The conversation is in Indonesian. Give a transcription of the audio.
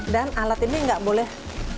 dan alat ini tidak boleh